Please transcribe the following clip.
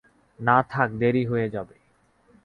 না থাক, দেরি হয়ে যাবে।